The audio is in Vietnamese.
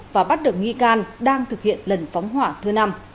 các đồng nghi can đang thực hiện lần phóng hỏa thứ năm